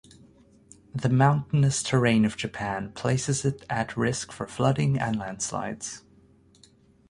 The mountainous terrain of Japan places it at risk for flooding and landslides.